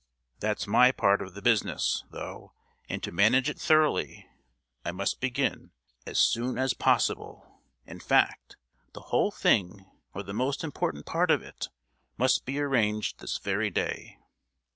"That's my part of the business, though; and to manage it thoroughly I must begin as soon as possible—in fact, the whole thing, or the most important part of it, must be arranged this very day!"